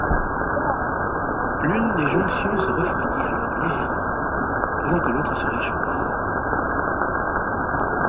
L'une des jonctions se refroidit alors légèrement, pendant que l'autre se réchauffe.